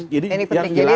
jadi yang penting